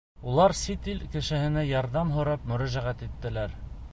Улар сит ил кешеһенә ярҙам һорап мөрәжәғәт иттеләр.